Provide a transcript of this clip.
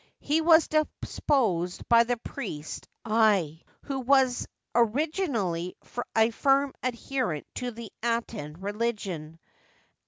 He was deposed by the priest At, who was origi nally a firm adherent to the Aten relig^on.